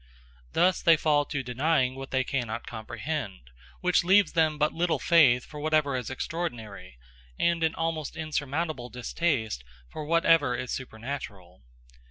Thus they fall to denying what they cannot comprehend; which leaves them but little faith for whatever is extraordinary, and an almost insurmountable distaste for whatever is supernatural.